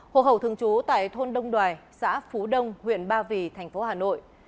hồ hậu thường trú tại thôn đông đoài xã phú đông huyện ba vì thành phố hà nội